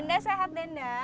danda sehat danda